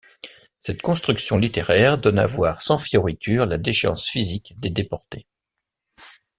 Cette construction littéraire donne à voir sans fioriture la déchéance physique des déportés.